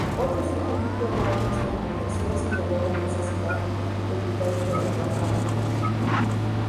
Otro científico en auto experimentación señaló la necesidad de evitar interactuar con la gente.